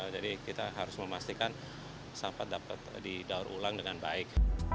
jadi kita harus memastikan sampah dapat didaur ulang dengan baik